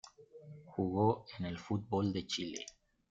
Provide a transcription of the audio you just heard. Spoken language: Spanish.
Jugó en el fútbol de Chile.